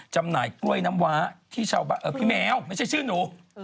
จำหน่ายกล้วยน้ำวาเอ่อผู้แมวไม่ใช่ชื่อหนู